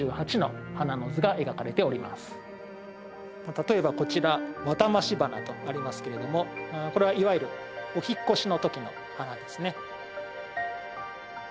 例えばこちら「ワタマシ花」とありますけれどもこれはいわゆるお引っ越しの時の花ですね。